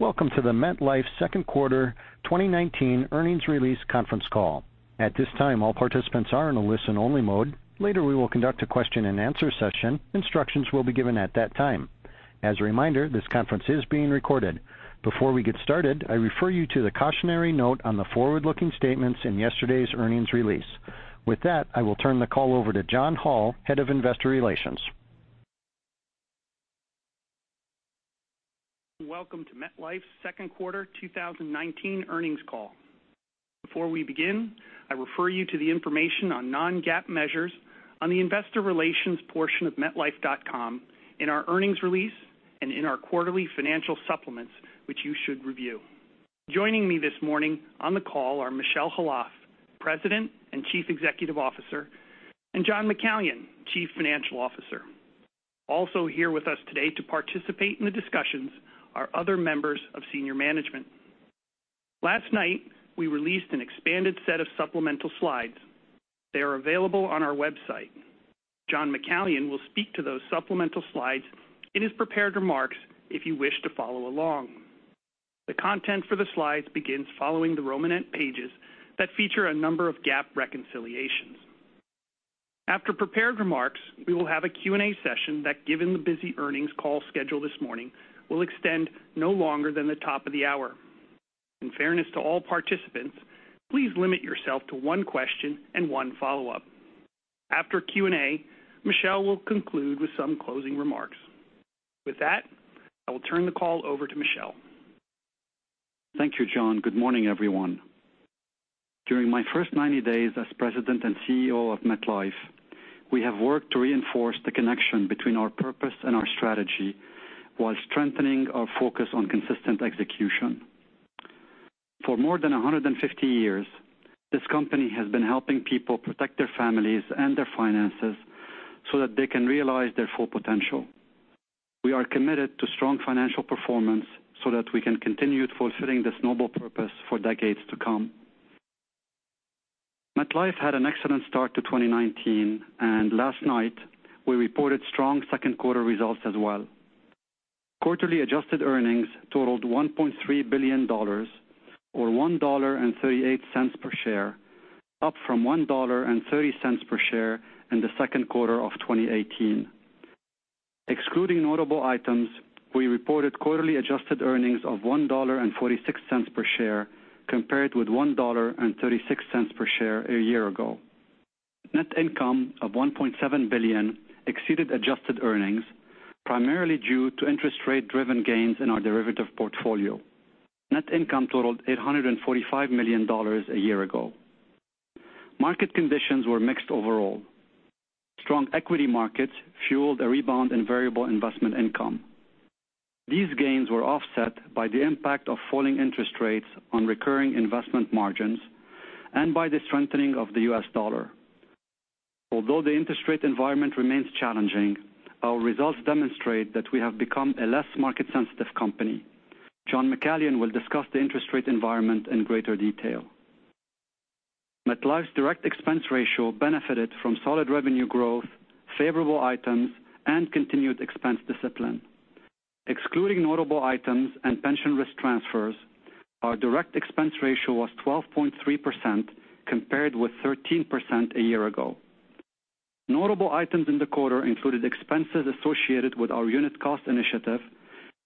Welcome to the MetLife second quarter 2019 earnings release conference call. At this time, all participants are in a listen-only mode. Later, we will conduct a question-and-answer session. Instructions will be given at that time. As a reminder, this conference is being recorded. Before we get started, I refer you to the cautionary note on the forward-looking statements in yesterday's earnings release. With that, I will turn the call over to John Hall, head of investor relations. Welcome to MetLife's second quarter 2019 earnings call. Before we begin, I refer you to the information on non-GAAP measures on the investor relations portion of metlife.com, in our earnings release, and in our quarterly financial supplements, which you should review. Joining me this morning on the call are Michel Khalaf, President and Chief Executive Officer, and John McCallion, Chief Financial Officer. Also here with us today to participate in the discussions are other members of senior management. Last night, we released an expanded set of supplemental slides. They are available on our website. John McCallion will speak to those supplemental slides in his prepared remarks if you wish to follow along. The content for the slides begins following the romanette pages that feature a number of GAAP reconciliations. After prepared remarks, we will have a Q&A session that, given the busy earnings call schedule this morning, will extend no longer than the top of the hour. In fairness to all participants, please limit yourself to one question and one follow-up. After Q&A, Michel will conclude with some closing remarks. With that, I will turn the call over to Michel. Thank you, John. Good morning, everyone. During my first 90 days as president and CEO of MetLife, we have worked to reinforce the connection between our purpose and our strategy while strengthening our focus on consistent execution. For more than 150 years, this company has been helping people protect their families and their finances so that they can realize their full potential. We are committed to strong financial performance so that we can continue fulfilling this noble purpose for decades to come. MetLife had an excellent start to 2019, and last night, we reported strong second quarter results as well. Quarterly adjusted earnings totaled $1.3 billion, or $1.38 per share, up from $1.30 per share in the second quarter of 2018. Excluding notable items, we reported quarterly adjusted earnings of $1.46 per share, compared with $1.36 per share a year ago. Net income of $1.7 billion exceeded adjusted earnings, primarily due to interest rate-driven gains in our derivative portfolio. Net income totaled $845 million a year ago. Market conditions were mixed overall. Strong equity markets fueled a rebound in variable investment income. These gains were offset by the impact of falling interest rates on recurring investment margins and by the strengthening of the U.S. dollar. Although the interest rate environment remains challenging, our results demonstrate that we have become a less market-sensitive company. John McCallion will discuss the interest rate environment in greater detail. MetLife's direct expense ratio benefited from solid revenue growth, favorable items, and continued expense discipline. Excluding notable items and pension risk transfers, our direct expense ratio was 12.3%, compared with 13% a year ago. Notable items in the quarter included expenses associated with our unit cost initiative,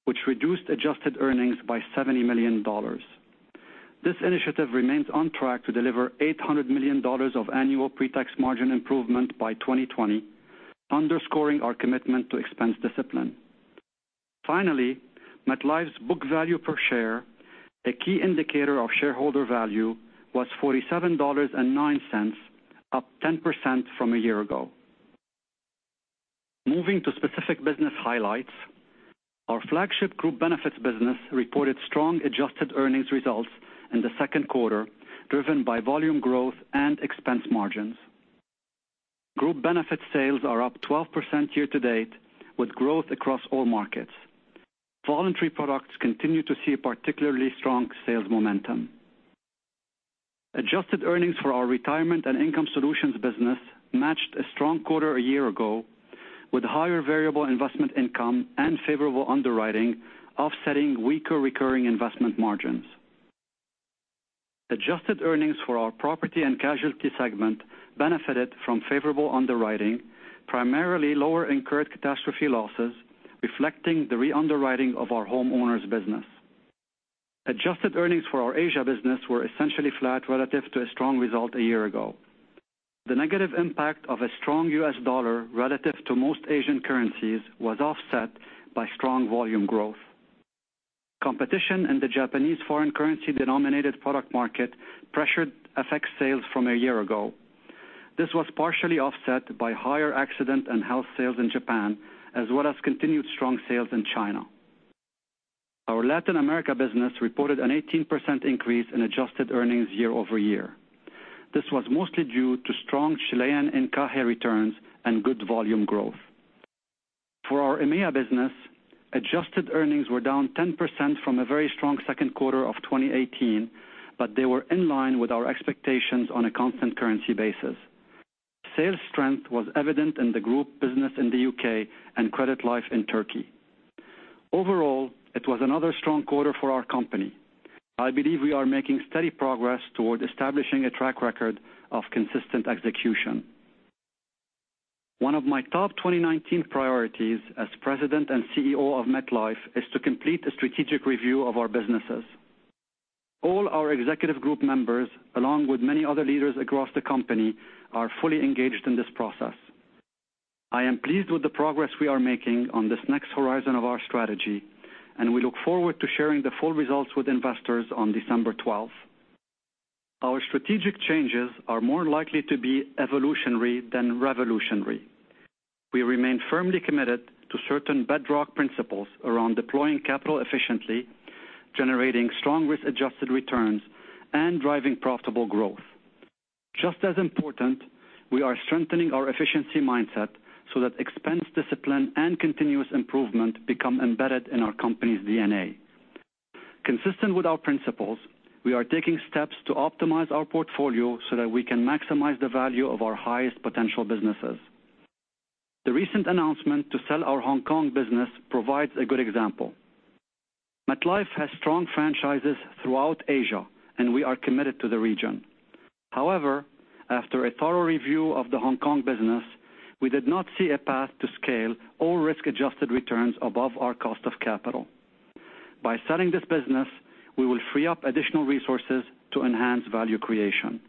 which reduced adjusted earnings by $70 million. This initiative remains on track to deliver $800 million of annual pre-tax margin improvement by 2020, underscoring our commitment to expense discipline. Finally, MetLife's book value per share, a key indicator of shareholder value, was $47.09, up 10% from a year ago. Moving to specific business highlights, our flagship Group Benefits business reported strong adjusted earnings results in the second quarter, driven by volume growth and expense margins. Group Benefit sales are up 12% year to date, with growth across all markets. Voluntary products continue to see particularly strong sales momentum. Adjusted earnings for our Retirement and Income Solutions business matched a strong quarter a year ago with higher variable investment income and favorable underwriting offsetting weaker recurring investment margins. Adjusted earnings for our Property and Casualty segment benefited from favorable underwriting, primarily lower incurred catastrophe losses, reflecting the re-underwriting of our homeowners business. Adjusted earnings for our Asia business were essentially flat relative to a strong result a year ago. The negative impact of a strong U.S. dollar relative to most Asian currencies was offset by strong volume growth. Competition in the Japanese foreign currency denominated product market pressured FX sales from a year ago. This was partially offset by higher accident and health sales in Japan, as well as continued strong sales in China. Our Latin America business reported an 18% increase in adjusted earnings year over year. This was mostly due to strong Chilean encaje returns and good volume growth. For our EMEA business, adjusted earnings were down 10% from a very strong second quarter of 2018, but they were in line with our expectations on a constant currency basis. Sales strength was evident in the group business in the U.K. and Credit Life in Turkey. Overall, it was another strong quarter for our company. I believe we are making steady progress toward establishing a track record of consistent execution. One of my top 2019 priorities as President and CEO of MetLife is to complete a strategic review of our businesses. All our executive group members, along with many other leaders across the company, are fully engaged in this process. I am pleased with the progress we are making on this next horizon of our strategy, and we look forward to sharing the full results with investors on December 12th. Our strategic changes are more likely to be evolutionary than revolutionary. We remain firmly committed to certain bedrock principles around deploying capital efficiently, generating strong risk-adjusted returns, and driving profitable growth. Just as important, we are strengthening our efficiency mindset so that expense discipline and continuous improvement become embedded in our company's DNA. Consistent with our principles, we are taking steps to optimize our portfolio so that we can maximize the value of our highest potential businesses. The recent announcement to sell our Hong Kong business provides a good example. MetLife has strong franchises throughout Asia, and we are committed to the region. However, after a thorough review of the Hong Kong business, we did not see a path to scale or risk-adjusted returns above our cost of capital. By selling this business, we will free up additional resources to enhance value creation.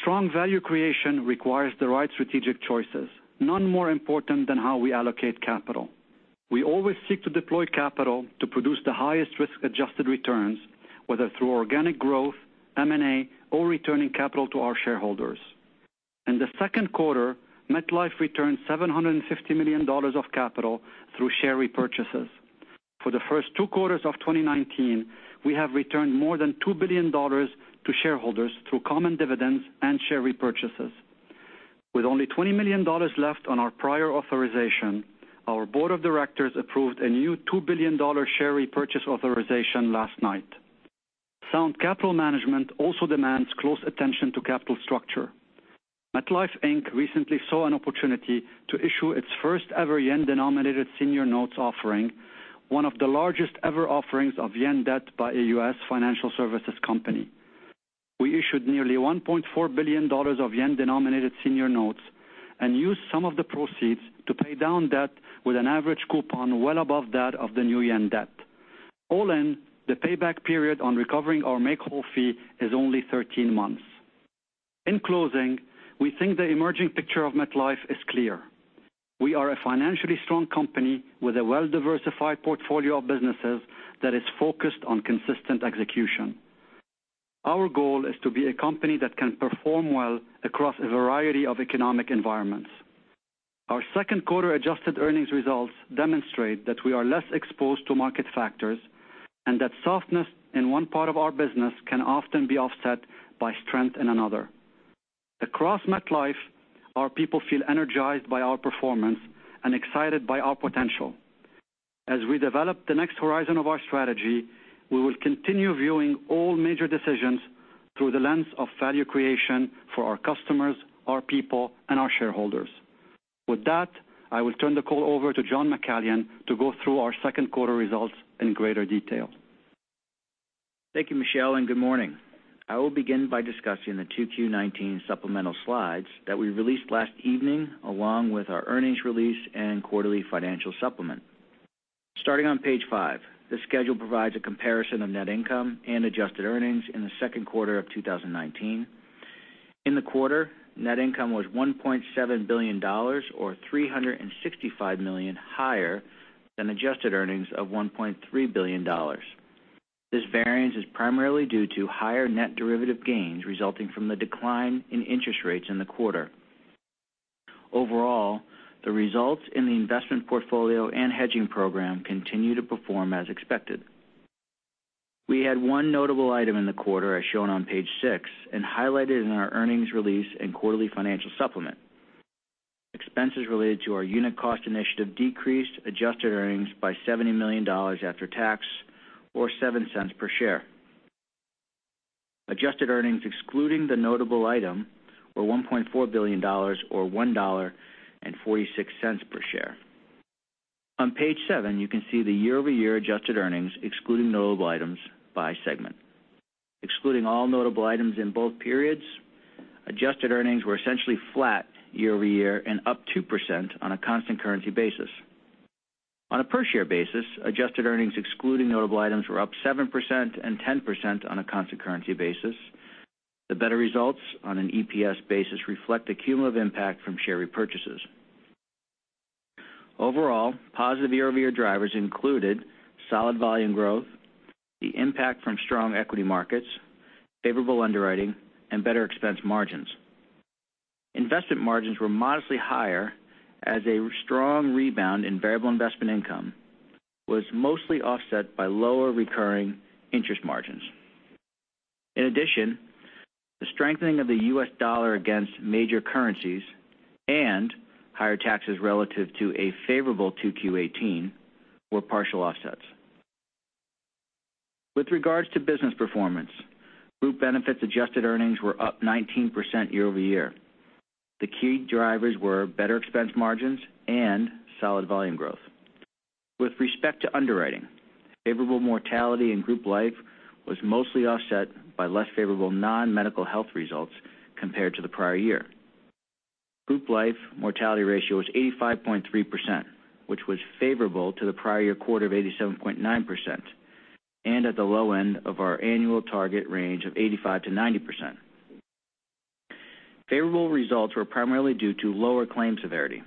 Strong value creation requires the right strategic choices, none more important than how we allocate capital. We always seek to deploy capital to produce the highest risk-adjusted returns, whether through organic growth, M&A, or returning capital to our shareholders. In the second quarter, MetLife returned $750 million of capital through share repurchases. For the first two quarters of 2019, we have returned more than $2 billion to shareholders through common dividends and share repurchases. With only $20 million left on our prior authorization, our board of directors approved a new $2 billion share repurchase authorization last night. Sound capital management also demands close attention to capital structure. MetLife Inc. recently saw an opportunity to issue its first ever yen-denominated senior notes offering, one of the largest ever offerings of yen debt by a U.S. financial services company. We issued nearly $1.4 billion of yen-denominated senior notes and used some of the proceeds to pay down debt with an average coupon well above that of the new yen debt. All in, the payback period on recovering our make-whole fee is only 13 months. We are a financially strong company with a well-diversified portfolio of businesses that is focused on consistent execution. Our goal is to be a company that can perform well across a variety of economic environments. Our second quarter adjusted earnings results demonstrate that we are less exposed to market factors and that softness in one part of our business can often be offset by strength in another. Across MetLife, our people feel energized by our performance and excited by our potential. As we develop the next horizon of our strategy, we will continue viewing all major decisions through the lens of value creation for our customers, our people, and our shareholders. With that, I will turn the call over to John McCallion to go through our second quarter results in greater detail. Thank you, Michel, and good morning. I will begin by discussing the 2Q19 supplemental slides that we released last evening, along with our earnings release and quarterly financial supplement. Starting on page five, this schedule provides a comparison of net income and adjusted earnings in the second quarter of 2019. In the quarter, net income was $1.7 billion, or $365 million higher than adjusted earnings of $1.3 billion. This variance is primarily due to higher net derivative gains resulting from the decline in interest rates in the quarter. Overall, the results in the investment portfolio and hedging program continue to perform as expected. We had one notable item in the quarter as shown on page six and highlighted in our earnings release and quarterly financial supplement. Expenses related to our unit cost initiative decreased adjusted earnings by $70 million after tax or $0.07 per share. Adjusted earnings excluding the notable item were $1.4 billion or $1.46 per share. On page seven, you can see the year-over-year adjusted earnings excluding notable items by segment. Excluding all notable items in both periods, adjusted earnings were essentially flat year-over-year and up 2% on a constant currency basis. On a per share basis, adjusted earnings excluding notable items were up 7% and 10% on a constant currency basis. The better results on an EPS basis reflect accumulative impact from share repurchases. Overall, positive year-over-year drivers included solid volume growth, the impact from strong equity markets, favorable underwriting, and better expense margins. Investment margins were modestly higher as a strong rebound in variable investment income was mostly offset by lower recurring interest margins. In addition, the strengthening of the U.S. dollar against major currencies and higher taxes relative to a favorable 2Q18 were partial offsets. With regards to business performance, Group Benefits adjusted earnings were up 19% year-over-year. The key drivers were better expense margins and solid volume growth. With respect to underwriting, favorable mortality in Group Life was mostly offset by less favorable non-medical health results compared to the prior year. Group Life mortality ratio was 85.3%, which was favorable to the prior year quarter of 87.9%, and at the low end of our annual target range of 85%-90%. Favorable results were primarily due to lower claim severity.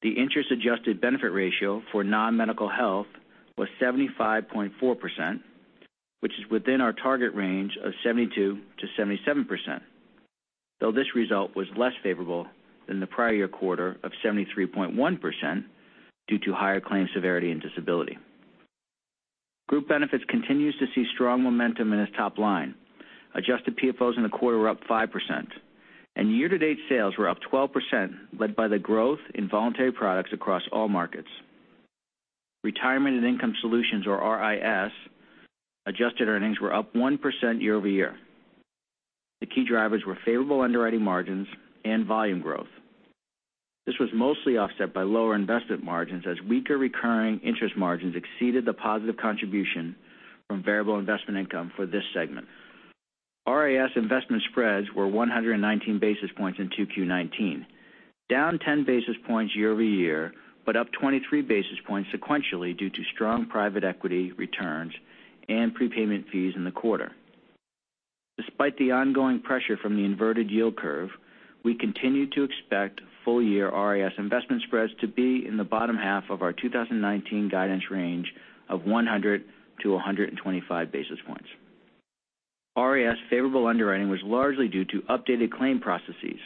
The interest-adjusted benefit ratio for non-medical health was 75.4%, which is within our target range of 72%-77%, though this result was less favorable than the prior year quarter of 73.1% due to higher claim severity and disability. Group Benefits continues to see strong momentum in its top line. Adjusted PFOs in the quarter were up 5%, and year-to-date sales were up 12%, led by the growth in voluntary products across all markets. Retirement and Income Solutions, or RIS, adjusted earnings were up 1% year-over-year. The key drivers were favorable underwriting margins and volume growth. This was mostly offset by lower investment margins as weaker recurring interest margins exceeded the positive contribution from variable investment income for this segment. RIS investment spreads were 119 basis points in 2Q19, down 10 basis points year-over-year, but up 23 basis points sequentially due to strong private equity returns and prepayment fees in the quarter. Despite the ongoing pressure from the inverted yield curve, we continue to expect full-year RIS investment spreads to be in the bottom half of our 2019 guidance range of 100-125 basis points. RIS favorable underwriting was largely due to updated claim processes,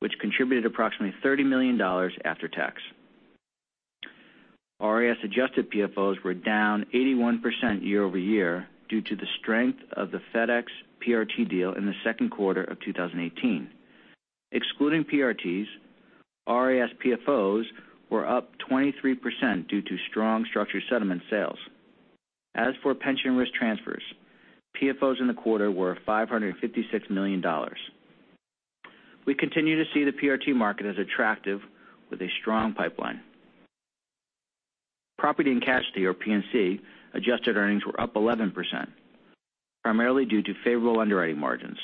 which contributed approximately $30 million after tax. RIS adjusted PFOs were down 81% year-over-year due to the strength of the FedEx PRT deal in the second quarter of 2018. Excluding PRTs, RIS PFOs were up 23% due to strong structured settlement sales. As for pension risk transfers, PFOs in the quarter were $556 million. We continue to see the PRT market as attractive with a strong pipeline. Property and Casualty, or P&C, adjusted earnings were up 11%, primarily due to favorable underwriting margins.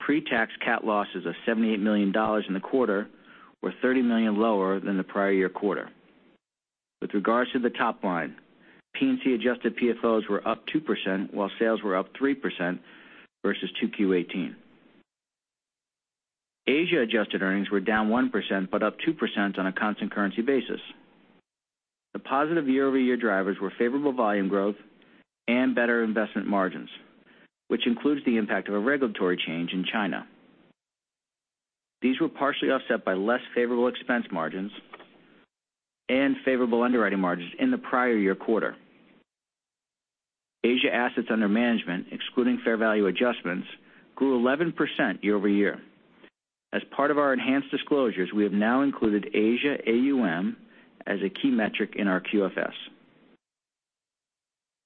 Pre-tax cat losses of $78 million in the quarter were $30 million lower than the prior year quarter. With regards to the top line, P&C adjusted PFOs were up 2% while sales were up 3% versus 2Q18. Asia adjusted earnings were down 1%, but up 2% on a constant currency basis. The positive year-over-year drivers were favorable volume growth and better investment margins, which includes the impact of a regulatory change in China. These were partially offset by less favorable expense margins and favorable underwriting margins in the prior year quarter. Asia assets under management, excluding fair value adjustments, grew 11% year-over-year. As part of our enhanced disclosures, we have now included Asia AUM as a key metric in our QFS.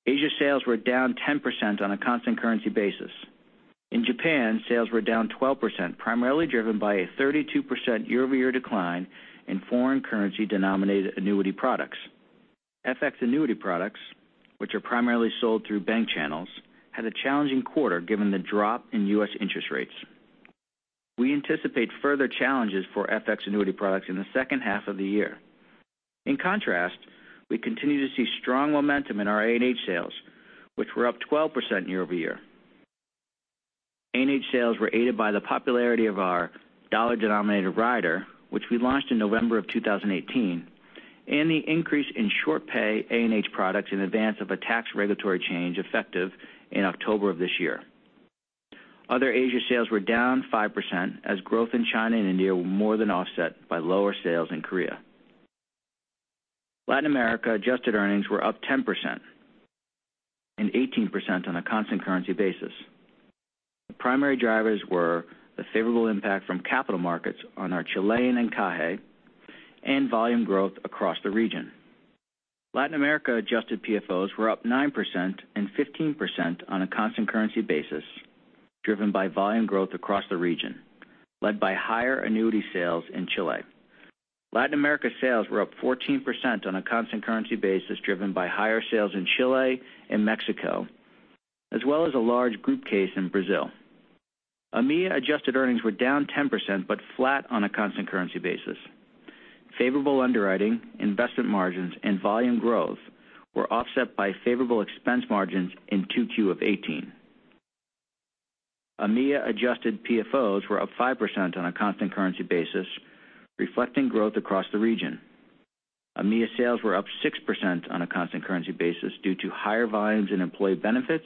Asia sales were down 10% on a constant currency basis. In Japan, sales were down 12%, primarily driven by a 32% year-over-year decline in foreign currency denominated annuity products. FX annuity products, which are primarily sold through bank channels, had a challenging quarter given the drop in U.S. interest rates. We anticipate further challenges for FX annuity products in the second half of the year. In contrast, we continue to see strong momentum in our A&H sales, which were up 12% year-over-year. A&H sales were aided by the popularity of our dollar-denominated rider, which we launched in November 2018, and the increase in short pay A&H products in advance of a tax regulatory change effective in October of this year. Other Asia sales were down 5% as growth in China and India were more than offset by lower sales in Korea. Latin America adjusted earnings were up 10% and 18% on a constant currency basis. The primary drivers were the favorable impact from capital markets on our Chilean encaje and volume growth across the region. Latin America adjusted PFOs were up 9% and 15% on a constant currency basis, driven by volume growth across the region, led by higher annuity sales in Chile. Latin America sales were up 14% on a constant currency basis, driven by higher sales in Chile and Mexico, as well as a large group case in Brazil. EMEA adjusted earnings were down 10%, but flat on a constant currency basis. Favorable underwriting, investment margins, and volume growth were offset by favorable expense margins in 2Q18. EMEA adjusted PFOs were up 5% on a constant currency basis, reflecting growth across the region. EMEA sales were up 6% on a constant currency basis due to higher volumes in employee benefits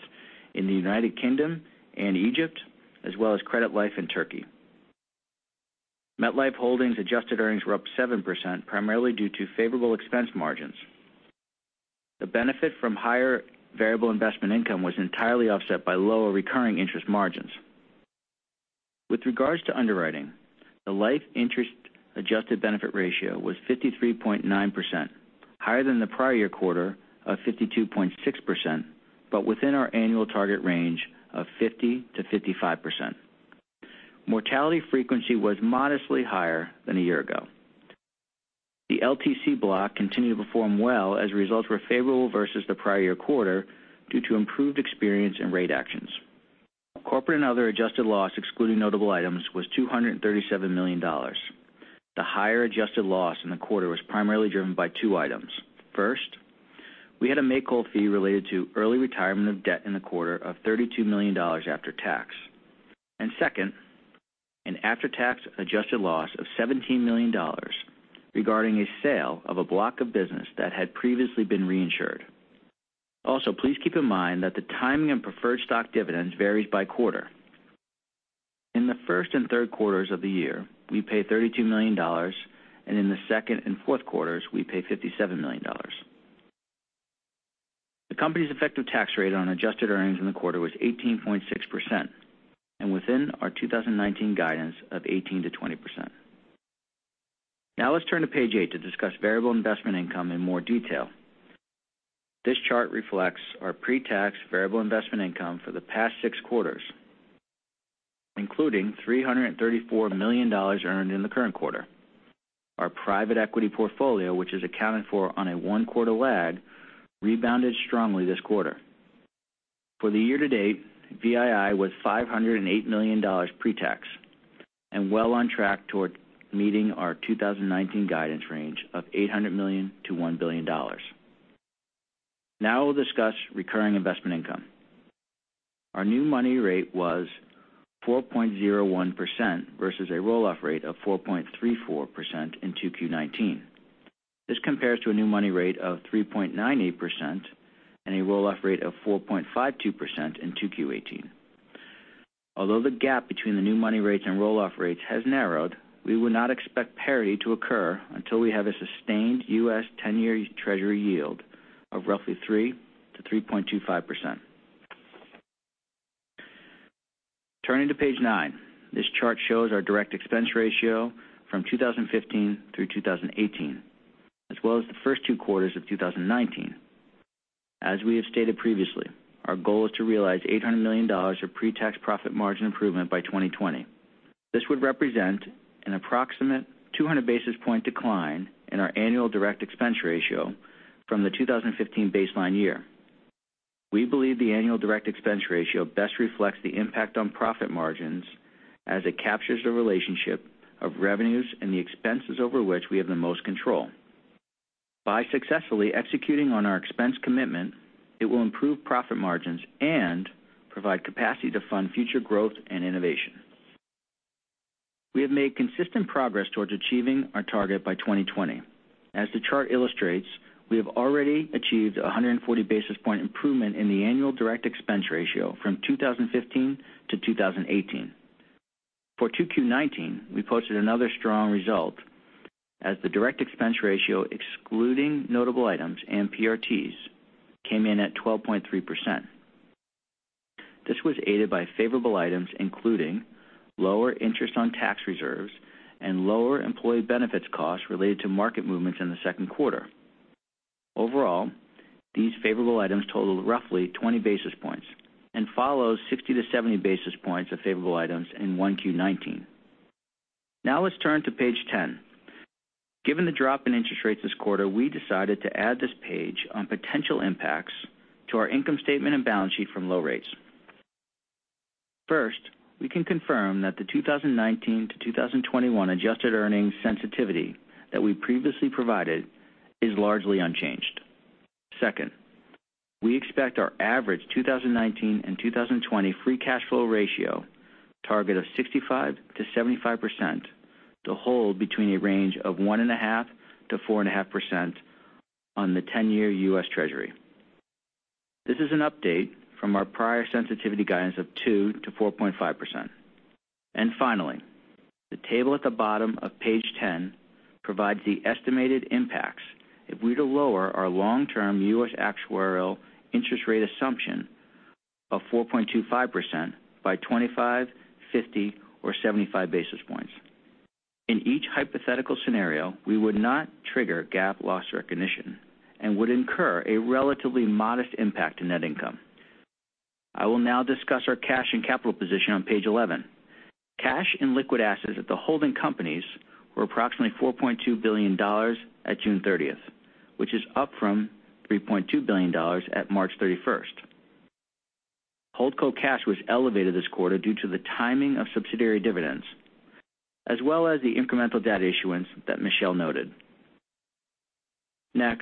in the U.K. and Egypt, as well as credit life in Turkey. MetLife Holdings adjusted earnings were up 7%, primarily due to favorable expense margins. The benefit from higher variable investment income was entirely offset by lower recurring interest margins. With regards to underwriting, the life interest adjusted benefit ratio was 53.9%, higher than the prior year quarter of 52.6%, but within our annual target range of 50%-55%. Mortality frequency was modestly higher than a year ago. The LTC block continued to perform well as a result were favorable versus the prior year quarter due to improved experience and rate actions. Corporate and other adjusted loss, excluding notable items, was $237 million. The higher adjusted loss in the quarter was primarily driven by two items. First, we had a make-whole fee related to early retirement of debt in the quarter of $32 million after tax. Second, an after-tax adjusted loss of $17 million regarding a sale of a block of business that had previously been reinsured. Also, please keep in mind that the timing of preferred stock dividends varies by quarter. In the first and third quarters of the year, we pay $32 million, and in the second and fourth quarters, we pay $57 million. The company's effective tax rate on adjusted earnings in the quarter was 18.6% and within our 2019 guidance of 18%-20%. Let's turn to page 8 to discuss variable investment income in more detail. This chart reflects our pre-tax variable investment income for the past six quarters, including $334 million earned in the current quarter. Our private equity portfolio, which is accounted for on a one-quarter lag, rebounded strongly this quarter. For the year to date, VII was $508 million pre-tax and well on track toward meeting our 2019 guidance range of $800 million-$1 billion. We'll discuss recurring investment income. Our new money rate was 4.01% versus a roll-off rate of 4.34% in 2Q19. This compares to a new money rate of 3.98% and a roll-off rate of 4.52% in 2Q18. Although the gap between the new money rates and roll-off rates has narrowed, we would not expect parity to occur until we have a sustained U.S. 10-year Treasury yield of roughly 3%-3.25%. Turning to page 9. This chart shows our direct expense ratio from 2015 through 2018, as well as the first two quarters of 2019. As we have stated previously, our goal is to realize $800 million of pre-tax profit margin improvement by 2020. This would represent an approximate 200 basis point decline in our annual direct expense ratio from the 2015 baseline year. We believe the annual direct expense ratio best reflects the impact on profit margins as it captures the relationship of revenues and the expenses over which we have the most control. By successfully executing on our expense commitment, it will improve profit margins and provide capacity to fund future growth and innovation. We have made consistent progress towards achieving our target by 2020. As the chart illustrates, we have already achieved a 140 basis point improvement in the annual direct expense ratio from 2015 to 2018. For 2Q19, we posted another strong result as the direct expense ratio excluding notable items and PRTs came in at 12.3%. This was aided by favorable items, including lower interest on tax reserves and lower employee benefits costs related to market movements in the second quarter. Overall, these favorable items totaled roughly 20 basis points and follows 60-70 basis points of favorable items in 1Q19. Let's turn to page 10. Given the drop in interest rates this quarter, we decided to add this page on potential impacts to our income statement and balance sheet from low rates. First, we can confirm that the 2019 to 2021 adjusted earnings sensitivity that we previously provided is largely unchanged. Second, we expect our average 2019 and 2020 free cash flow ratio target of 65%-75% to hold between a range of 1.5%-4.5% on the 10-year U.S. Treasury. This is an update from our prior sensitivity guidance of 2%-4.5%. Finally, the table at the bottom of page 10 provides the estimated impacts if we were to lower our long-term U.S. actuarial interest rate assumption of 4.25% by 25, 50 or 75 basis points. In each hypothetical scenario, we would not trigger GAAP loss recognition and would incur a relatively modest impact to net income. I will now discuss our cash and capital position on page 11. Cash and liquid assets at the holding companies were approximately $4.2 billion at June 30th, which is up from $3.2 billion at March 31st. Holdco cash was elevated this quarter due to the timing of subsidiary dividends, as well as the incremental debt issuance that Michel noted. I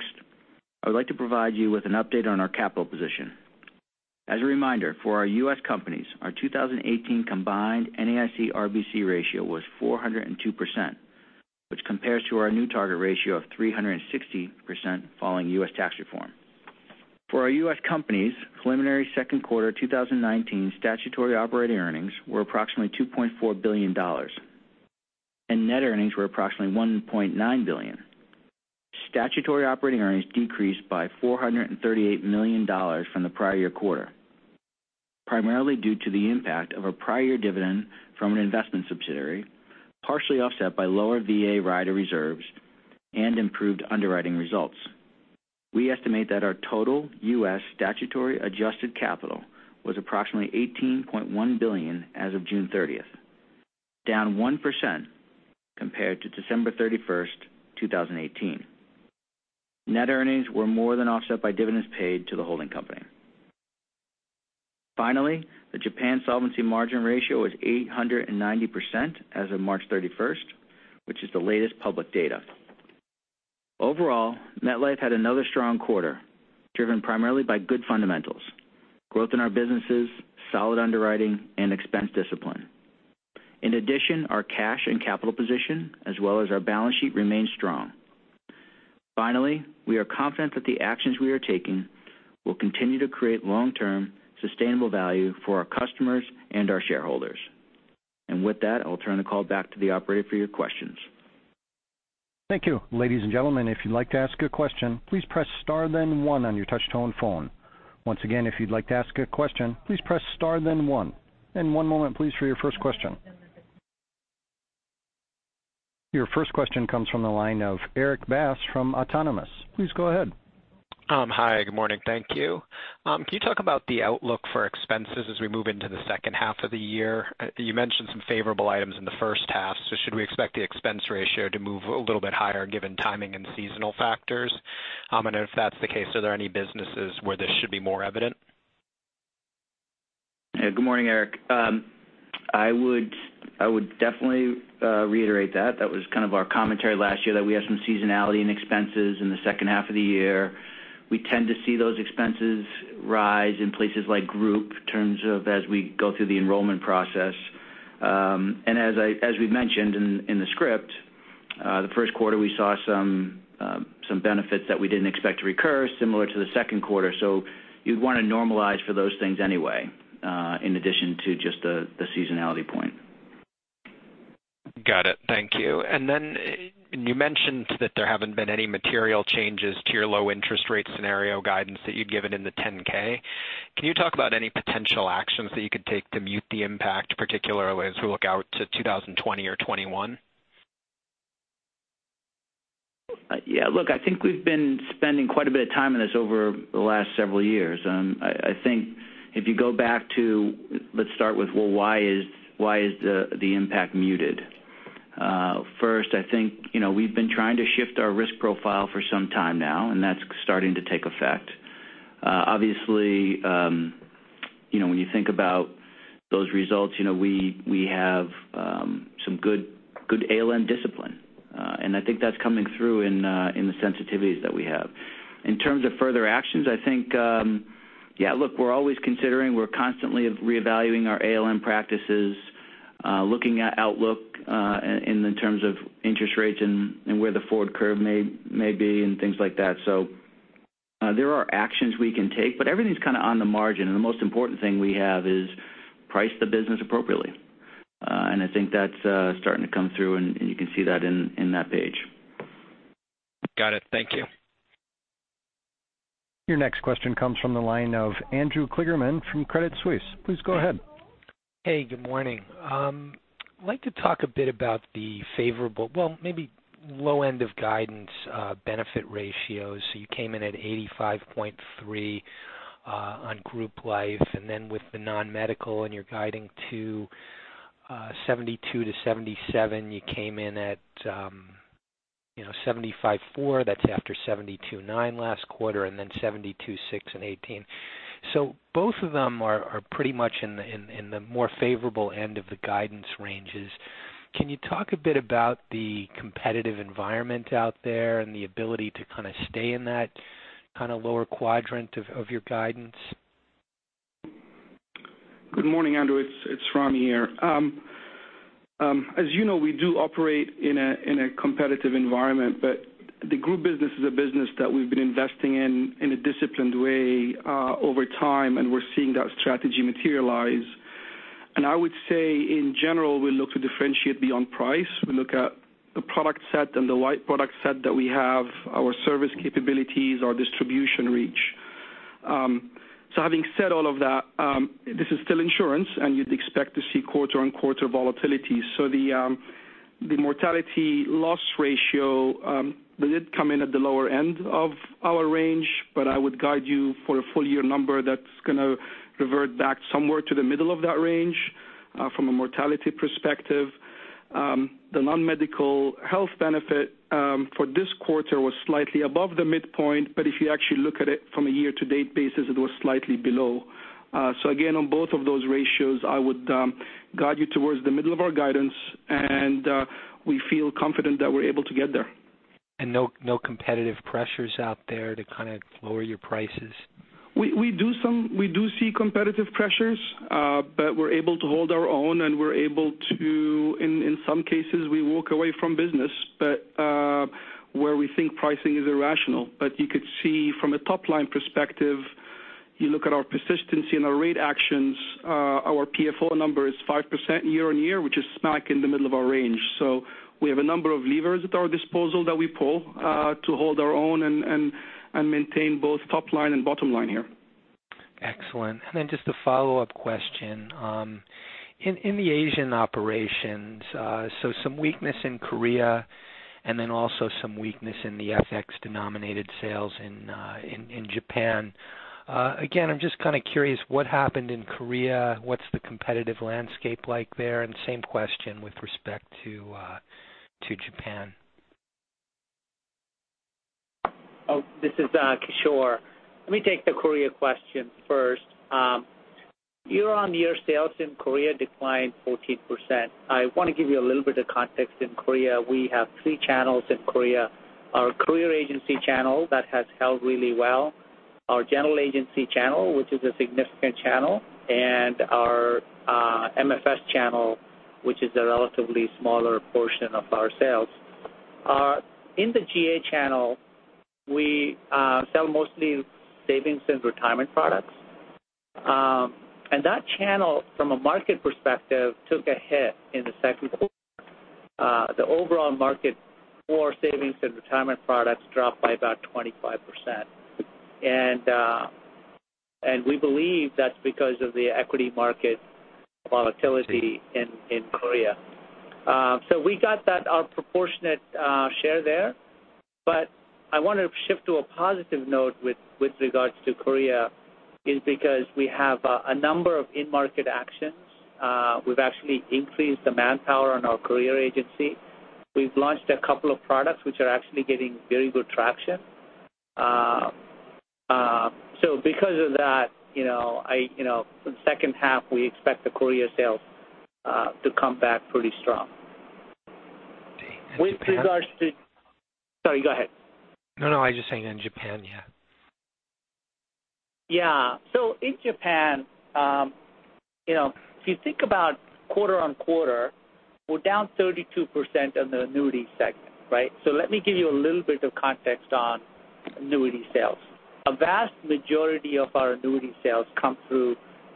would like to provide you with an update on our capital position. As a reminder, for our U.S. companies, our 2018 combined NAIC RBC ratio was 402%, which compares to our new target ratio of 360% following U.S. tax reform. For our U.S. companies, preliminary second quarter 2019 statutory operating earnings were approximately $2.4 billion, and net earnings were approximately $1.9 billion. Statutory operating earnings decreased by $438 million from the prior year quarter, primarily due to the impact of a prior year dividend from an investment subsidiary, partially offset by lower VA rider reserves and improved underwriting results. We estimate that our total U.S. statutory adjusted capital was approximately $18.1 billion as of June 30th, down 1% compared to December 31st, 2018. Net earnings were more than offset by dividends paid to the holding company. The Japan solvency margin ratio is 890% as of March 31st, which is the latest public data. Overall, MetLife had another strong quarter, driven primarily by good fundamentals, growth in our businesses, solid underwriting, and expense discipline. Our cash and capital position, as well as our balance sheet, remains strong. We are confident that the actions we are taking will continue to create long-term sustainable value for our customers and our shareholders. With that, I'll turn the call back to the operator for your questions. Thank you. Ladies and gentlemen, if you'd like to ask a question, please press star then one on your touch-tone phone. Once again, if you'd like to ask a question, please press star then one. One moment please for your first question. Your first question comes from the line of Erik Bass from Autonomous. Please go ahead. Hi, good morning. Thank you. Can you talk about the outlook for expenses as we move into the second half of the year? You mentioned some favorable items in the first half, should we expect the expense ratio to move a little bit higher given timing and seasonal factors? If that's the case, are there any businesses where this should be more evident? Good morning, Erik. I would definitely reiterate that. That was kind of our commentary last year, that we have some seasonality in expenses in the second half of the year. We tend to see those expenses rise in places like Group in terms of as we go through the enrollment process. As we mentioned in the script, the first quarter we saw some benefits that we didn't expect to recur, similar to the second quarter. You'd want to normalize for those things anyway, in addition to just the seasonality point. Got it. Thank you. You mentioned that there haven't been any material changes to your low-interest rate scenario guidance that you'd given in the 10-K. Can you talk about any potential actions that you could take to mute the impact, particularly as we look out to 2020 or '21? Yeah, look, I think we've been spending quite a bit of time on this over the last several years. I think if you go back to, well, why is the impact muted? First, I think we've been trying to shift our risk profile for some time now, and that's starting to take effect. Obviously, when you think about those results, we have some good ALM discipline. I think that's coming through in the sensitivities that we have. In terms of further actions, I think we're always considering, we're constantly reevaluating our ALM practices, looking at outlook in terms of interest rates and where the forward curve may be and things like that. There are actions we can take, but everything's kind of on the margin. The most important thing we have is price the business appropriately. I think that's starting to come through, and you can see that in that page. Got it. Thank you. Your next question comes from the line of Andrew Kligerman from Credit Suisse. Please go ahead. Good morning. I'd like to talk a bit about the favorable, well, maybe low end of guidance, benefit ratios. You came in at 85.3% on Group Life, and then with the non-medical, and you're guiding to 72%-77%. You came in at 75.4%, that's after 72.9% last quarter, and then 72.6% in 2018. Both of them are pretty much in the more favorable end of the guidance ranges. Can you talk a bit about the competitive environment out there and the ability to kind of stay in that kind of lower quadrant of your guidance? Good morning, Andrew. It's Ramy here. As you know, we do operate in a competitive environment, but the group business is a business that we've been investing in in a disciplined way over time, and we're seeing that strategy materialize. I would say in general, we look to differentiate beyond price. We look at the product set and the wide product set that we have, our service capabilities, our distribution reach. Having said all of that, this is still insurance and you'd expect to see quarter-on-quarter volatility. The mortality loss ratio did come in at the lower end of our range, but I would guide you for a full year number that's going to revert back somewhere to the middle of that range from a mortality perspective. The non-medical health benefit for this quarter was slightly above the midpoint, but if you actually look at it from a year-to-date basis, it was slightly below. Again, on both of those ratios, I would guide you towards the middle of our guidance, and we feel confident that we're able to get there. No competitive pressures out there to kind of lower your prices? We do see competitive pressures, but we're able to hold our own and we're able to, in some cases, we walk away from business where we think pricing is irrational. You could see from a top-line perspective You look at our persistency and our rate actions, our PFO number is 5% year-on-year, which is smack in the middle of our range. We have a number of levers at our disposal that we pull to hold our own and maintain both top line and bottom line here. Excellent. Just a follow-up question. In the Asian operations, some weakness in Korea, also some weakness in the FX-denominated sales in Japan. Again, I'm just kind of curious, what happened in Korea? What's the competitive landscape like there? Same question with respect to Japan. This is Kishore. Let me take the Korea question first. Year-on-year sales in Korea declined 14%. I want to give you a little bit of context in Korea. We have three channels in Korea. Our career agency channel, that has held really well. Our general agency channel, which is a significant channel, and our MFS channel, which is a relatively smaller portion of our sales. In the GA channel, we sell mostly savings and retirement products. That channel, from a market perspective, took a hit in the second quarter. The overall market for savings and retirement products dropped by about 25%. We believe that's because of the equity market volatility in Korea. We got our proportionate share there. I want to shift to a positive note with regards to Korea, is because we have a number of in-market actions. We've actually increased the manpower on our career agency. We've launched a couple of products, which are actually getting very good traction. Because of that, for the second half, we expect the Korea sales to come back pretty strong. Japan? Sorry, go ahead. No, I was just saying, and Japan, yeah. Yeah. In Japan, if you think about quarter-on-quarter, we're down 32% on the annuity segment, right? Let me give you a little bit of context on annuity sales. A vast majority of our annuity sales come through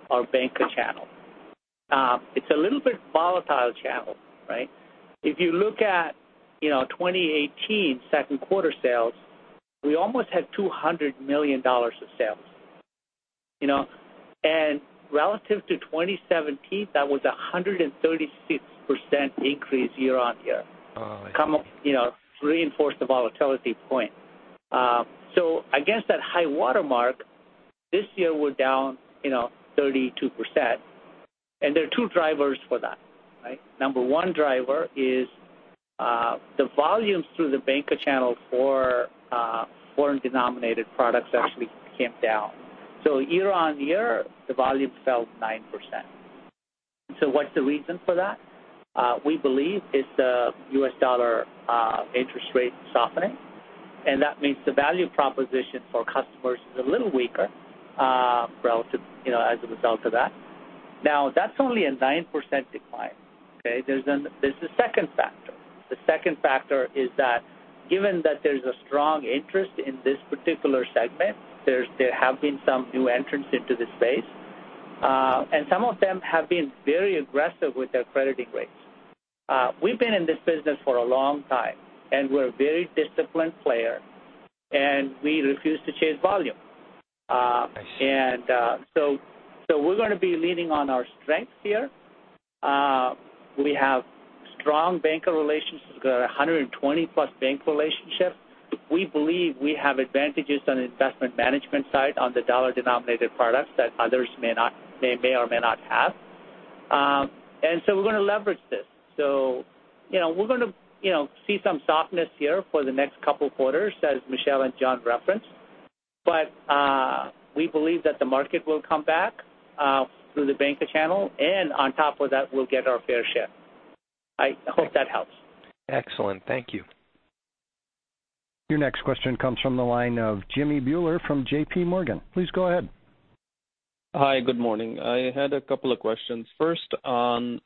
our banker channel. It's a little bit volatile channel, right? If you look at 2018 second quarter sales, we almost had $200 million of sales. Relative to 2017, that was 136% increase year-on-year. Wow. Reinforce the volatility point. Against that high watermark, this year we're down 32%, and there are two drivers for that, right? Number one driver is the volumes through the banker channel for foreign-denominated products actually came down. Year-on-year, the volume fell 9%. What's the reason for that? We believe it's the U.S. dollar interest rate softening, and that means the value proposition for customers is a little weaker as a result of that. That's only a 9% decline, okay? There's a second factor. The second factor is that given that there's a strong interest in this particular segment, there have been some new entrants into the space. Some of them have been very aggressive with their crediting rates. We've been in this business for a long time, and we're a very disciplined player, we refuse to chase volume. I see. We're going to be leaning on our strengths here. We have strong banker relationships. We got 120-plus bank relationships. We believe we have advantages on the investment management side on the dollar-denominated products that others may or may not have. We're going to leverage this. We're going to see some softness here for the next couple quarters, as Michel and John referenced. We believe that the market will come back through the banker channel, and on top of that, we'll get our fair share. I hope that helps. Excellent. Thank you. Your next question comes from the line of Jimmy Bhullar from JP Morgan. Please go ahead. Hi. Good morning. I had a couple of questions. First on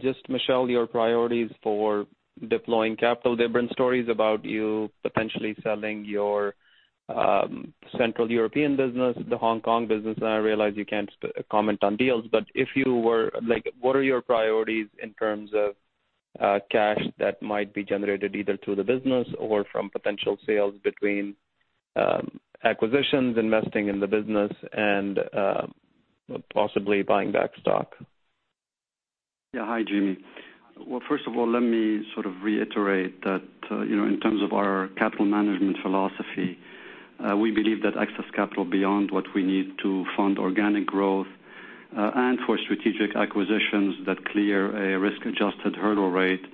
just, Michel, your priorities for deploying capital. There've been stories about you potentially selling your Central European business, the Hong Kong business, and I realize you can't comment on deals. What are your priorities in terms of cash that might be generated, either through the business or from potential sales between acquisitions, investing in the business, and possibly buying back stock? Yeah. Hi, Jimmy. Well, first of all, let me sort of reiterate that in terms of our capital management philosophy, we believe that excess capital beyond what we need to fund organic growth and for strategic acquisitions that clear a risk-adjusted hurdle rate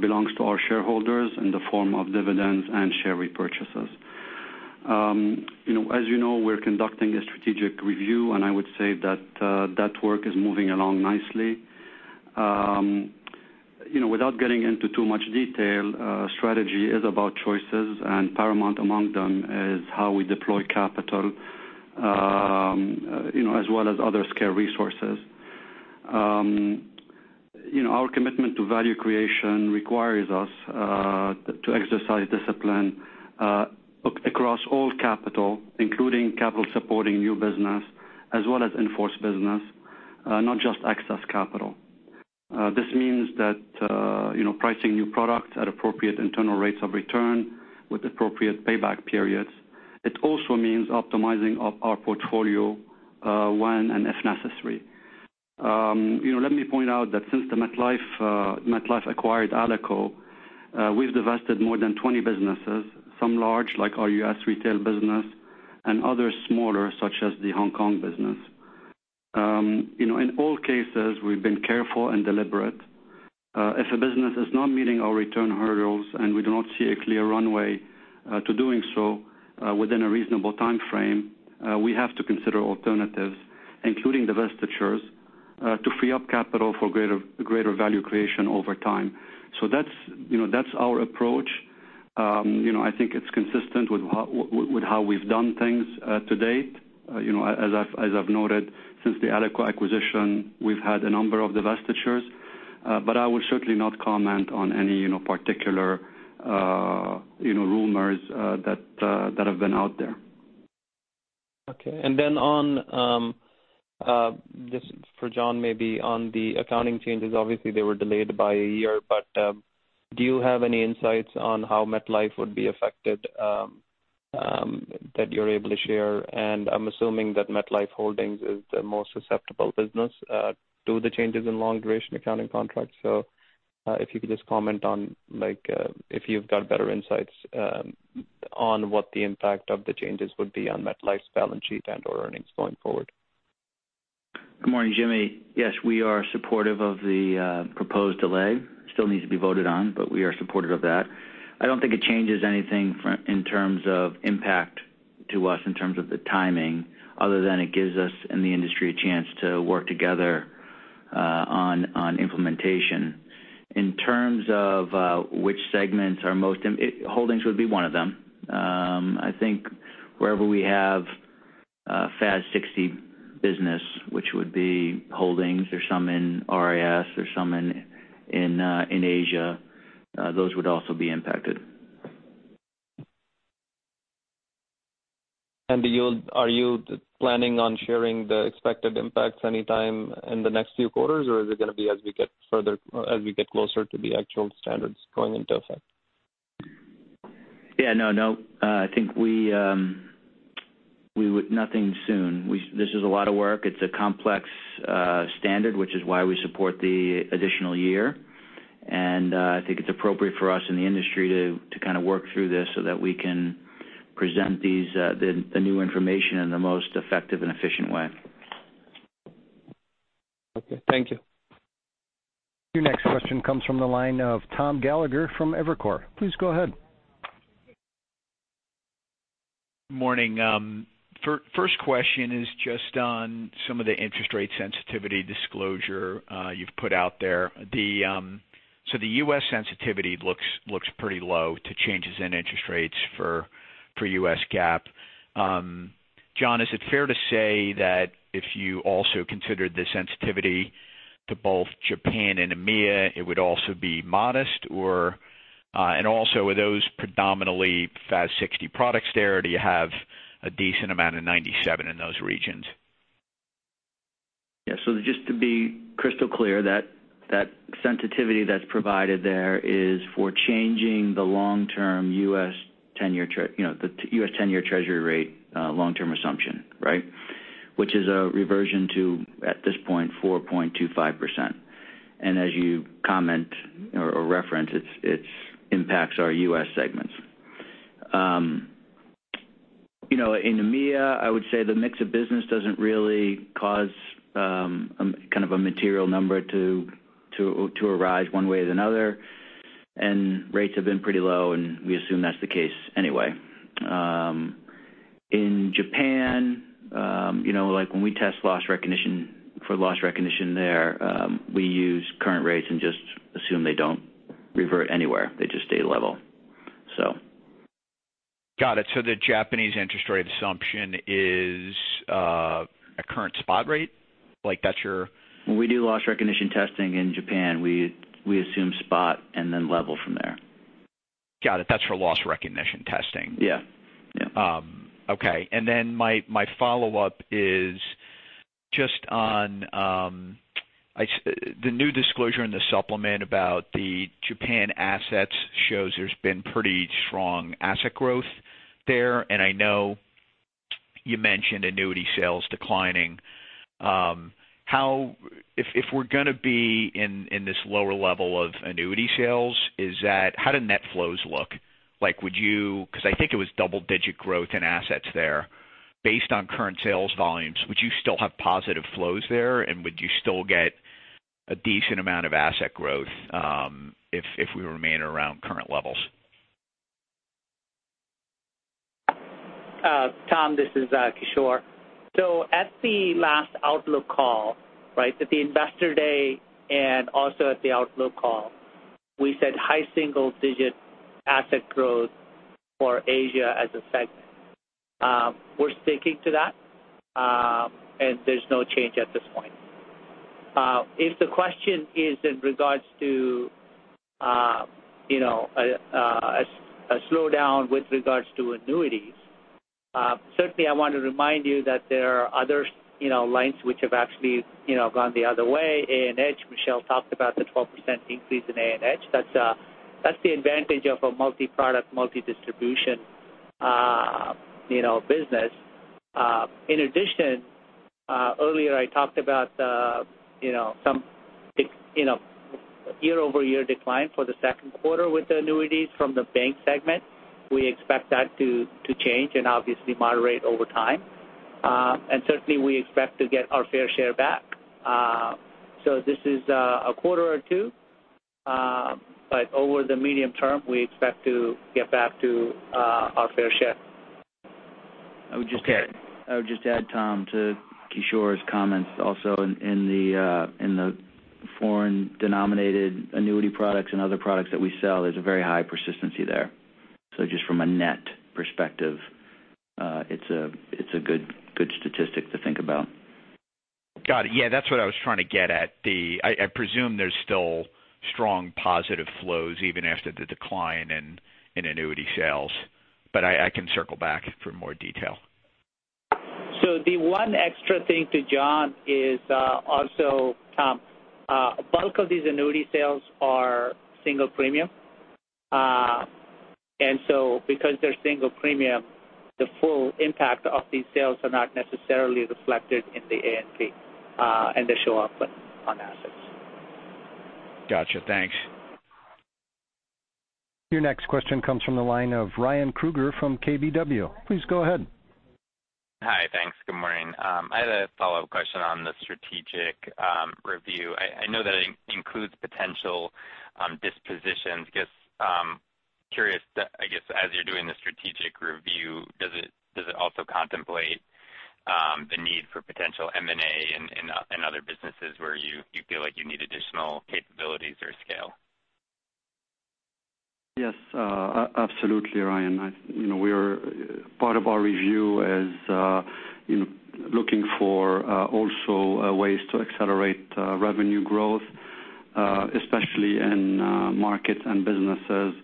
belongs to our shareholders in the form of dividends and share repurchases. As you know, we're conducting a strategic review. I would say that that work is moving along nicely. Without getting into too much detail, strategy is about choices. Paramount among them is how we deploy capital, as well as other scarce resources. Our commitment to value creation requires us to exercise discipline across all capital, including capital supporting new business as well as in-force business, not just excess capital. This means that pricing new product at appropriate internal rates of return with appropriate payback periods. It also means optimizing our portfolio when and if necessary. Let me point out that since MetLife acquired Alico, we've divested more than 20 businesses, some large, like our U.S. retail business, others smaller, such as the Hong Kong business. In all cases, we've been careful and deliberate. If a business is not meeting our return hurdles and we do not see a clear runway to doing so within a reasonable timeframe, we have to consider alternatives, including divestitures, to free up capital for greater value creation over time. That's our approach. I think it's consistent with how we've done things to date. As I've noted, since the Alico acquisition, we've had a number of divestitures. I will certainly not comment on any particular rumors that have been out there. Okay. This for John maybe, on the accounting changes. Obviously, they were delayed by a year. Do you have any insights on how MetLife would be affected that you're able to share? I'm assuming that MetLife Holdings is the most susceptible business to the changes in long-duration accounting contracts. If you could just comment on if you've got better insights on what the impact of the changes would be on MetLife's balance sheet and/or earnings going forward. Good morning, Jimmy. Yes, we are supportive of the proposed delay. Still needs to be voted on. We are supportive of that. I don't think it changes anything in terms of impact to us in terms of the timing, other than it gives us and the industry a chance to work together on implementation. In terms of which segments are most, Holdings would be one of them. I think wherever we have FAS 60 business, which would be Holdings, there's some in RIS, there's some in Asia, those would also be impacted. Are you planning on sharing the expected impacts anytime in the next few quarters? Is it going to be as we get closer to the actual standards going into effect? Yeah, no. I think nothing soon. This is a lot of work. It's a complex standard, which is why we support the additional year. I think it's appropriate for us in the industry to kind of work through this so that we can present the new information in the most effective and efficient way. Okay. Thank you. Your next question comes from the line of Tom Gallagher from Evercore. Please go ahead. Morning. First question is just on some of the interest rate sensitivity disclosure you've put out there. The U.S. sensitivity looks pretty low to changes in interest rates for U.S. GAAP. John, is it fair to say that if you also considered the sensitivity to both Japan and EMEA, it would also be modest? Also, are those predominantly FAS 60 products there, or do you have a decent amount of 97 in those regions? Just to be crystal clear, that sensitivity that's provided there is for changing the long-term U.S. 10-year Treasury rate long-term assumption, right? Which is a reversion to, at this point, 4.25%. As you comment or reference, it impacts our U.S. segments. In EMEA, I would say the mix of business doesn't really cause kind of a material number to arise one way or another. Rates have been pretty low, and we assume that's the case anyway. In Japan, when we test for loss recognition there, we use current rates and just assume they don't revert anywhere. They just stay level. Got it. The Japanese interest rate assumption is a current spot rate? When we do loss recognition testing in Japan, we assume spot and then level from there. Got it. That's for loss recognition testing. Yeah. Okay. My follow-up is just on the new disclosure in the supplement about the Japan assets shows there's been pretty strong asset growth there. I know you mentioned annuity sales declining. If we're going to be in this lower level of annuity sales, how do net flows look? Because I think it was double-digit growth in assets there. Based on current sales volumes, would you still have positive flows there, and would you still get a decent amount of asset growth if we remain around current levels? Tom, this is Kishore. At the last outlook call, at the Investor Day and also at the outlook call, we said high single-digit asset growth for Asia as a segment We're sticking to that, and there's no change at this point. If the question is in regards to a slowdown with regards to annuities, certainly I want to remind you that there are other lines which have actually gone the other way. A&H, Michel talked about the 12% increase in A&H. That's the advantage of a multi-product, multi-distribution business. In addition, earlier I talked about some year-over-year decline for the second quarter with the annuities from the bank segment. We expect that to change and obviously moderate over time. Certainly, we expect to get our fair share back. This is a quarter or two, but over the medium term, we expect to get back to our fair share. I would just add, Tom, to Kishore's comments also in the foreign-denominated annuity products and other products that we sell, there's a very high persistency there. Just from a net perspective, it's a good statistic to think about. Got it. Yeah, that's what I was trying to get at. I presume there's still strong positive flows even after the decline in annuity sales, but I can circle back for more detail. The one extra thing to John is also, Tom, bulk of these annuity sales are single premium. Because they're single premium, the full impact of these sales are not necessarily reflected in the APE, and they show up on assets. Got you. Thanks. Your next question comes from the line of Ryan Krueger from KBW. Please go ahead. Hi. Thanks. Good morning. I had a follow-up question on the strategic review. I know that it includes potential dispositions. Just curious, I guess, as you're doing the strategic review, does it also contemplate the need for potential M&A in other businesses where you feel like you need additional capabilities or scale? Yes. Absolutely, Ryan. Part of our review is looking for also ways to accelerate revenue growth especially in markets and businesses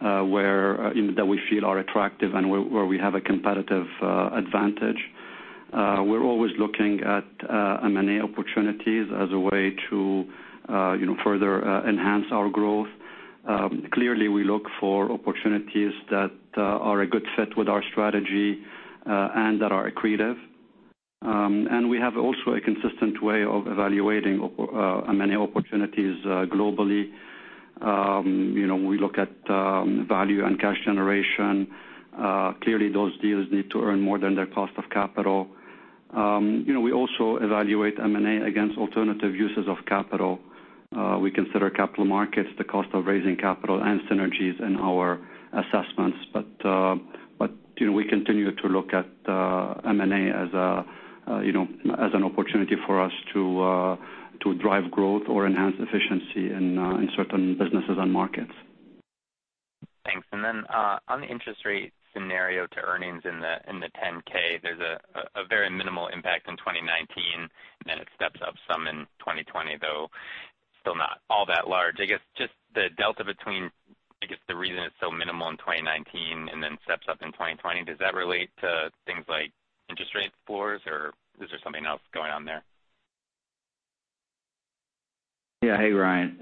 that we feel are attractive and where we have a competitive advantage. We're always looking at M&A opportunities as a way to further enhance our growth. Clearly, we look for opportunities that are a good fit with our strategy and that are accretive. We have also a consistent way of evaluating M&A opportunities globally. We look at value and cash generation. Clearly, those deals need to earn more than their cost of capital. We also evaluate M&A against alternative uses of capital. We consider capital markets, the cost of raising capital, and synergies in our assessments. We continue to look at M&A as an opportunity for us to drive growth or enhance efficiency in certain businesses and markets. Thanks. Then on the interest rate scenario to earnings in the 10-K, there's a very minimal impact in 2019, then it steps up some in 2020, though still not all that large. I guess just the delta between, I guess the reason it's so minimal in 2019 and then steps up in 2020, does that relate to things like interest rate floors, or is there something else going on there? Hey, Ryan.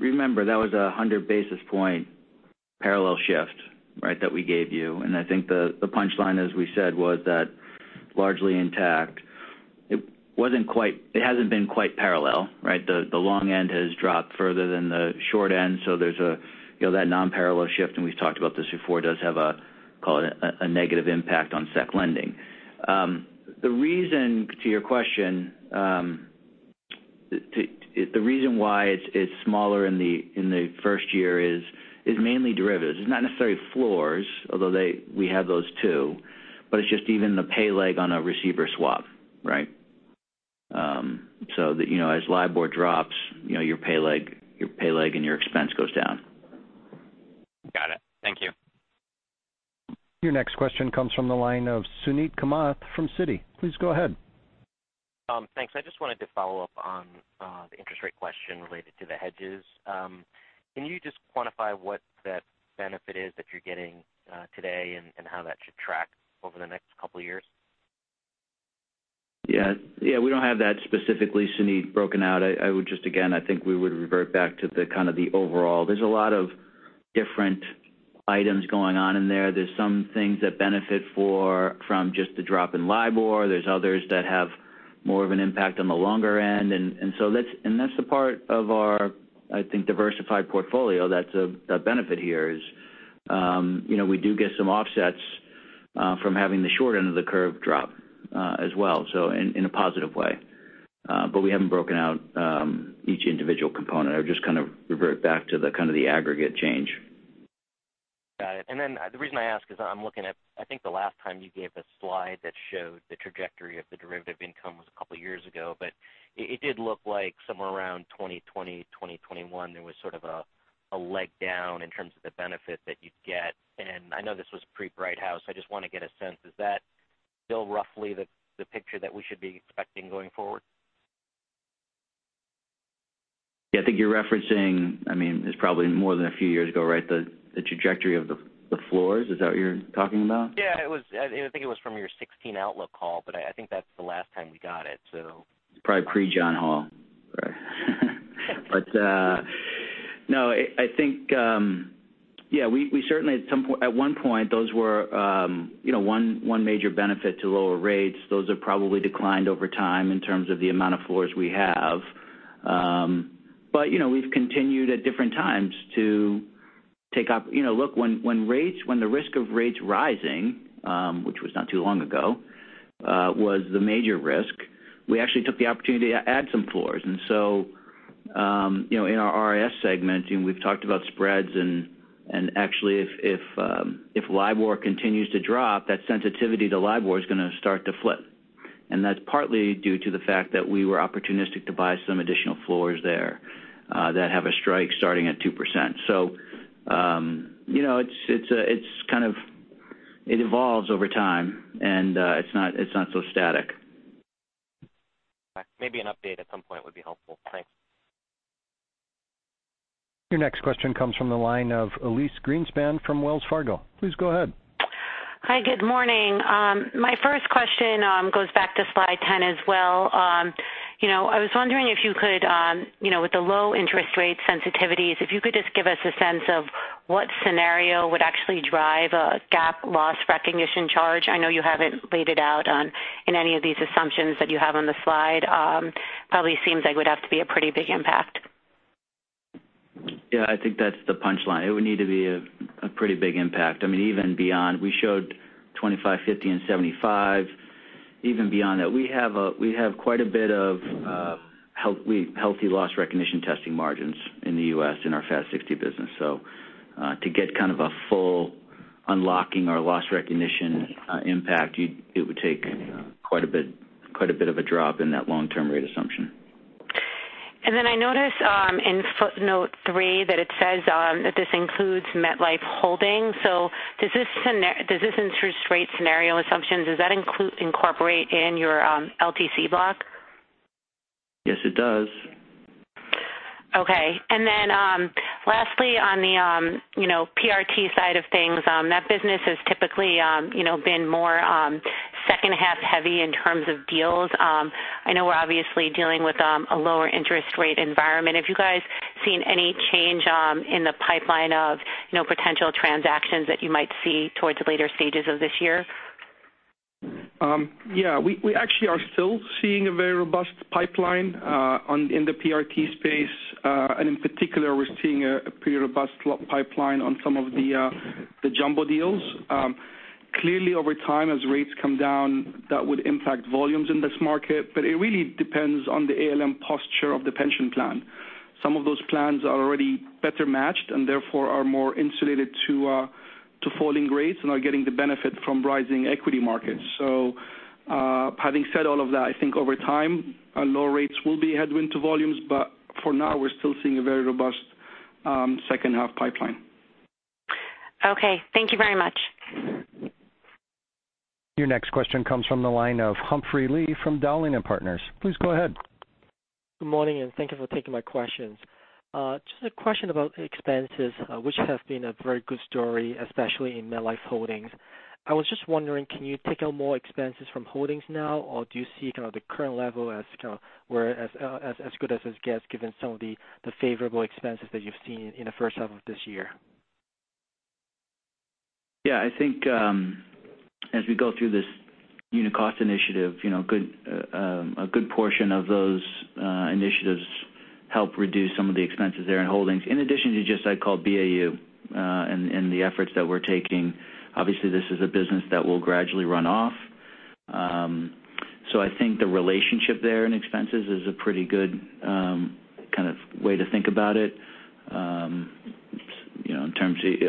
Remember, that was 100 basis point parallel shift that we gave you. I think the punchline as we said was that largely intact. It hasn't been quite parallel, right? The long end has dropped further than the short end, so there's that non-parallel shift, and we've talked about this before, does have a, call it a negative impact on securities lending. The reason to your question, the reason why it's smaller in the first year is mainly derivatives. It's not necessarily floors, although we have those, too, but it's just even the pay leg on a receiver swap, right? That as LIBOR drops, your pay leg and your expense goes down. Got it. Thank you. Your next question comes from the line of Suneet Kamath from Citi. Please go ahead. Thanks. I just wanted to follow up on the interest rate question related to the hedges. Can you just quantify what that benefit is that you're getting today and how that should track over the next couple of years? Yeah. We don't have that specifically, Suneet, broken out. I would just, again, I think we would revert back to the kind of the overall. There's a lot of different items going on in there. There's some things that benefit from just the drop in LIBOR. There's others that have more of an impact on the longer end. That's the part of our, I think, diversified portfolio that's a benefit here is we do get some offsets from having the short end of the curve drop as well, so in a positive way. We haven't broken out each individual component. I would just kind of revert back to the kind of the aggregate change. Got it. The reason I ask is I'm looking at, I think the last time you gave a slide that showed the trajectory of the derivative income was a couple of years ago, it did look like somewhere around 2020, 2021, there was sort of a leg down in terms of the benefit that you'd get. I know this was pre-Brighthouse Financial. I just want to get a sense, is that still roughly the picture that we should be expecting going forward? Yeah, I think you're referencing, it's probably more than a few years ago, right? The trajectory of the floors. Is that what you're talking about? Yeah, I think it was from your 2016 outlook call, but I think that's the last time we got it. It's probably pre-John Hall. Right. No, I think, yeah, we certainly at one point, those were one major benefit to lower rates. Those have probably declined over time in terms of the amount of floors we have. But we've continued at different times to take up. Look, when the risk of rates rising, which was not too long ago, was the major risk, we actually took the opportunity to add some floors. In our RIS segment, we've talked about spreads and actually if LIBOR continues to drop, that sensitivity to LIBOR is going to start to flip. That's partly due to the fact that we were opportunistic to buy some additional floors there, that have a strike starting at 2%. It evolves over time, and it's not so static. Maybe an update at some point would be helpful. Thanks. Your next question comes from the line of Elyse Greenspan from Wells Fargo. Please go ahead. Hi, good morning. My first question goes back to slide 10 as well. I was wondering if you could, with the low interest rate sensitivities, if you could just give us a sense of what scenario would actually drive a GAAP loss recognition charge. I know you haven't laid it out in any of these assumptions that you have on the slide. Probably seems like it would have to be a pretty big impact. Yeah, I think that's the punchline. It would need to be a pretty big impact. Even beyond, we showed 25, 50, and 75. Even beyond that, we have quite a bit of healthy loss recognition testing margins in the U.S. in our FAS 60 business. To get kind of a full unlocking or loss recognition impact, it would take quite a bit of a drop in that long-term rate assumption. I noticed in footnote three that it says that this includes MetLife Holdings. Does this interest rate scenario assumption, does that incorporate in your LTC block? Yes, it does. Okay. Then, lastly, on the PRT side of things, that business has typically been more second-half heavy in terms of deals. I know we're actually dealing with a lower interest rate environment. Have you guys seen any change in the pipeline of potential transactions that you might see towards the later stages of this year? We actually are still seeing a very robust pipeline, in the PRT space. In particular, we're seeing a pretty robust pipeline on some of the jumbo deals. Clearly over time, as rates come down, that would impact volumes in this market, but it really depends on the ALM posture of the pension plan. Some of those plans are already better matched and therefore are more insulated to falling rates and are getting the benefit from rising equity markets. Having said all of that, I think over time, our lower rates will be headwind to volumes, but for now, we're still seeing a very robust second-half pipeline. Okay. Thank you very much. Your next question comes from the line of Humphrey Lee from Dowling & Partners. Please go ahead. Good morning, thank you for taking my questions. Just a question about expenses, which have been a very good story, especially in MetLife Holdings. I was just wondering, can you take out more expenses from Holdings now, or do you see kind of the current level as good as it gets given some of the favorable expenses that you've seen in the first half of this year? I think, as we go through this unit cost initiative, a good portion of those initiatives help reduce some of the expenses there in Holdings. In addition to just what I called BAU, the efforts that we're taking, obviously this is a business that will gradually run off. I think the relationship there in expenses is a pretty good kind of way to think about it.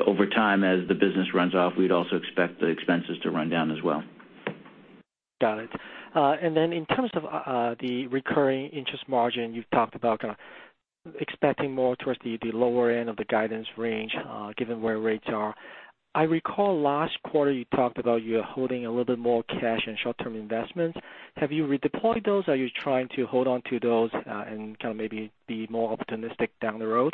Over time, as the business runs off, we'd also expect the expenses to run down as well. Got it. In terms of the recurring interest margin, you've talked about kind of expecting more towards the lower end of the guidance range, given where rates are. I recall last quarter you talked about you holding a little bit more cash and short-term investments. Have you redeployed those? Are you trying to hold on to those and kind of maybe be more optimistic down the road?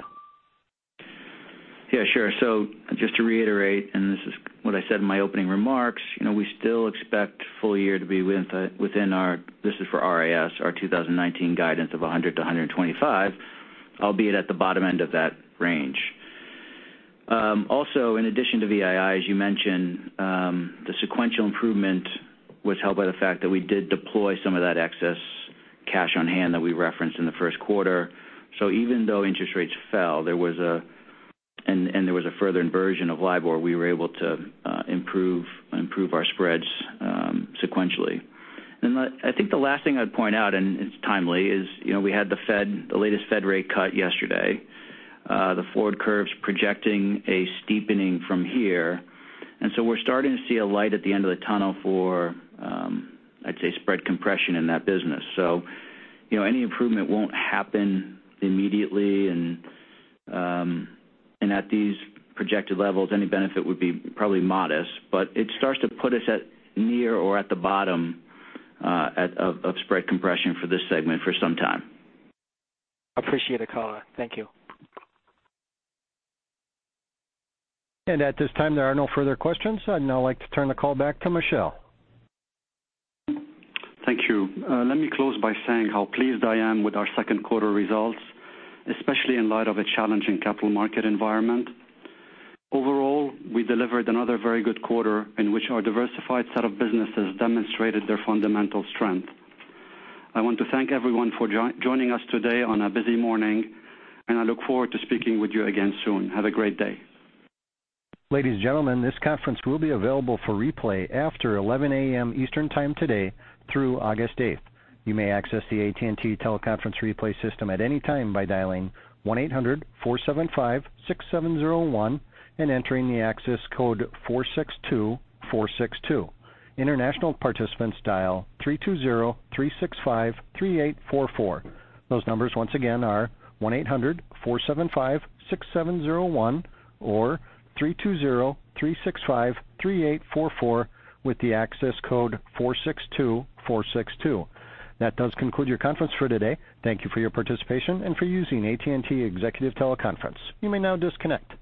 Just to reiterate, this is what I said in my opening remarks, we still expect full year to be within our, this is for RIS, our 2019 guidance of 100 to 125, albeit at the bottom end of that range. Also, in addition to VII, as you mentioned, the sequential improvement was helped by the fact that we did deploy some of that excess cash on hand that we referenced in the first quarter. Even though interest rates fell, there was a further inversion of LIBOR, we were able to improve our spreads sequentially. I think the last thing I'd point out, it's timely, is we had the latest Fed rate cut yesterday. The forward curve's projecting a steepening from here. We're starting to see a light at the end of the tunnel for, I'd say, spread compression in that business. Any improvement won't happen immediately, at these projected levels, any benefit would be probably modest, it starts to put us at near or at the bottom of spread compression for this segment for some time. Appreciate the color. Thank you. At this time, there are no further questions. I'd now like to turn the call back to Michel. Thank you. Let me close by saying how pleased I am with our second quarter results, especially in light of a challenging capital market environment. Overall, we delivered another very good quarter in which our diversified set of businesses demonstrated their fundamental strength. I want to thank everyone for joining us today on a busy morning, and I look forward to speaking with you again soon. Have a great day. Ladies and gentlemen, this conference will be available for replay after 11:00 A.M. Eastern Time today through August 8th. You may access the AT&T TeleConference replay system at any time by dialing 1-800-475-6701 and entering the access code 462462. International participants dial 3203653844. Those numbers once again are 1-800-475-6701 or 3203653844 with the access code 462462. That does conclude your conference for today. Thank you for your participation and for using AT&T TeleConference Services. You may now disconnect.